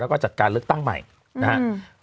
แล้วก็จัดการเลือกตั้งใหม่นะครับ